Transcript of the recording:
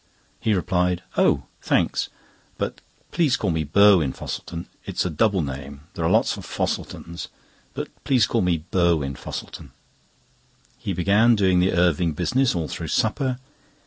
He replied: "Oh! thanks; but please call me Burwin Fosselton. It is a double name. There are lots of Fosseltons, but please call me Burwin Fosselton." He began doing the Irving business all through supper.